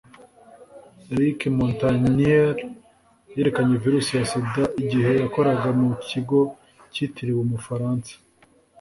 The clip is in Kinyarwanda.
Luc Montagnier yerekanye virusi ya sida igihe yakoraga mu kigo cyitiriwe Umufaransa